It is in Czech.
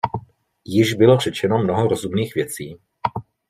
Již bylo řečeno mnoho rozumných věcí.